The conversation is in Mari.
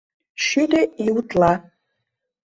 Шӱдӧ ий утла.